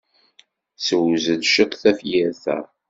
Ssewzel ciṭ tafyirt-a.